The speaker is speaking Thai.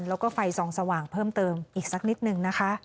แล้วก็ไฟส่องสว่างเพิ่มเติมอีกสักนิดนึงนะคะ